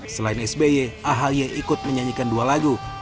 selain sbi ahi ikut menyanyikan dua lagu